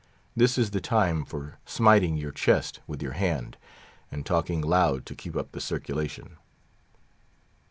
This is the time for smiting your chest with your hand, and talking loud to keep up the circulation.